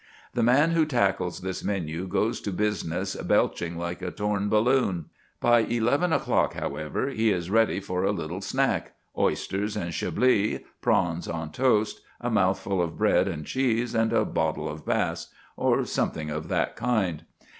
The man who tackles this menu goes to business belching like a torn balloon. By eleven o'clock, however, he is ready for a little snack oysters and chablis, prawns on toast, a mouthful of bread and cheese and a bottle of Bass, or something of that kind.